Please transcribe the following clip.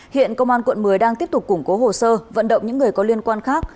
hiện công an quận một mươi đang tiếp tục củng cố hồ sơ vận động những người có liên quan khác